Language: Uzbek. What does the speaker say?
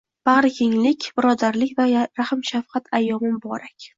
Bagʻrikenglik, birodarlik va rahm-shafqat ayyomi muborak!